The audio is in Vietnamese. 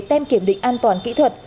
tem kiểm định an toàn kỹ thuật